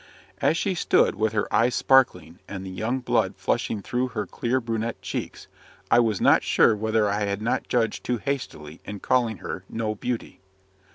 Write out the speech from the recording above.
As she stood, with her eyes sparkling, and the young blood flushing through her clear brunette cheeks, I was not sure whether I had not judged too hastily in calling her "no beauty."